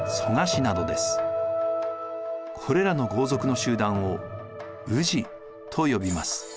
これらの豪族の集団を氏と呼びます。